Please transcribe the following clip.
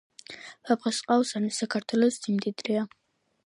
ვეფხისტყაოსანი საქართველოს სიმდიდრეა